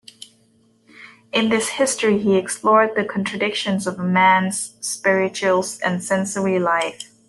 In this story he explored the contradictions of man's spiritual and sensory life.